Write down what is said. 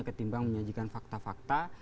ketimbang menyajikan fakta fakta